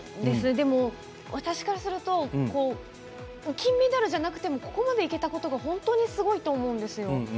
でも、私からすると金メダルじゃなくてもここまでいけたことが本当にすごいと思うんですよ。